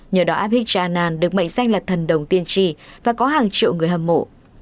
nhờ đó abhigya anand được mệnh danh là thần đồng tiên tri và có hàng triệu người hâm mộ